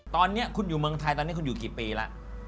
ตอนนี้คุณอยู่เมืองไทยตอนนี้คุณอยู่กี่ปีแล้ว